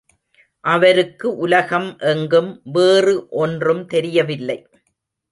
அவருக்கு உலகம் எங்கும் வேறு ஒன்றும் தெரியவில்லை.